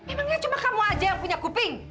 memangnya cuma kamu aja yang punya kuping